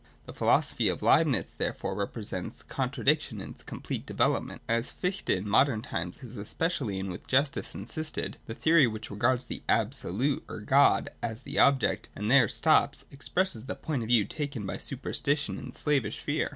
The philosophy of Leibnitz, therefore, represents con tradiction in its complete development. As Fichte in modern times has especially and with justice insisted, the theory which regards the Absolute or God as the Object and there stops, expresses the point of view taken by superstition and slavish fear.